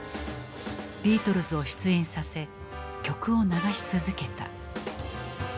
ビートルズを出演させ曲を流し続けた。